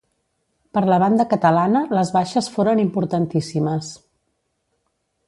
Per la banda catalana les baixes foren importantíssimes.